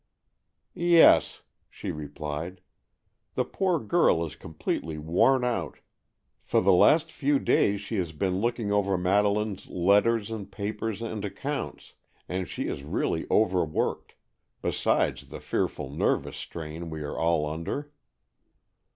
"Yes," she replied. "The poor girl is completely worn out. For the last few days she has been looking over Madeleine's letters and papers and accounts, and she is really overworked, besides the fearful nervous strain we are all under."